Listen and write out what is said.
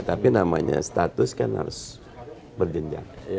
tapi namanya status kan harus berjenjang